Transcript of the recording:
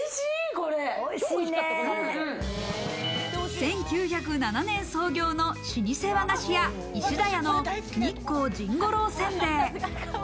１９０７年創業の老舗和菓子屋・石田屋の日光甚五郎煎餅。